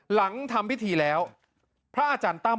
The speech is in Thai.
หลังทำพิธีแล้วพระอาจารย์ตั้ม